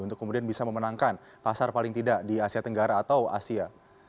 untuk kemudian bisa memenangkan pasar paling tidak di asia tenggara atau asia